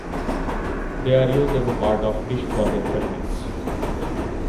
They are used as part of the dish for their fragrance.